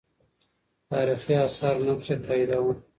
تاریخي آثار نقش یې تاییداوه.